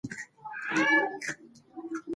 خاموشي بدله ده.